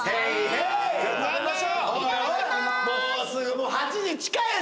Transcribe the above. もう８時近いぞ！